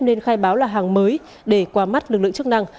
nên khai báo là hàng mới để qua mắt lực lượng chức năng